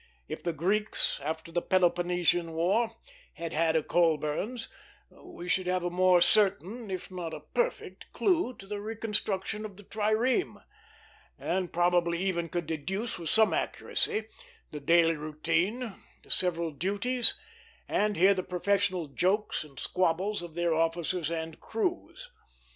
If the Greeks, after the Peloponnesian war, had had a Colburn's, we should have a more certain, if not a perfect, clew to the reconstruction of the trireme; and probably even could deduce with some accuracy the daily routine, the several duties, and hear the professional jokes and squabbles, of their officers and crews.